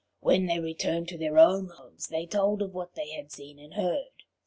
When they returned to their own homes they told what they had seen and heard.